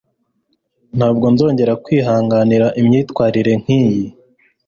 ntabwo nzongera kwihanganira imyitwarire nkiyi